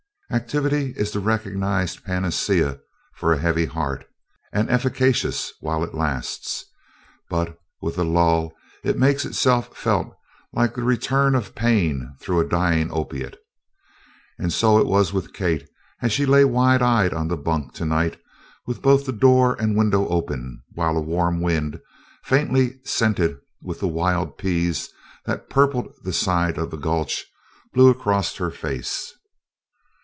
Activity is the recognized panacea for a heavy heart, and efficacious while it lasts, but with a lull it makes itself felt like the return of pain through a dying opiate; and so it was with Kate as she lay wide eyed on the bunk to night with both the door and window open, while a warm wind, faintly scented with the wild peas that purpled the side of the gulch, blew across her face.